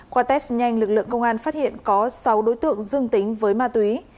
qua test nhanh lực lượng công an phát hiện có sáu đối tượng dương tính với ma túy